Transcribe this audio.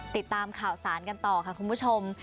ติดตามข่าวสารกันต่อค่ะคุณผู้ชม